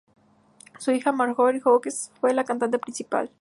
Su hija, Marjorie Hughes, fue la cantante principal.